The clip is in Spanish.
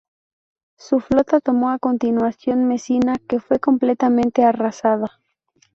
Su flota tomó a continuación Mesina, que fue completamente arrasada.